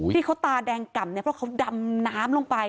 ที่เขาตาแดงกล่ำเนี่ยเพราะเขาดำน้ำลงไป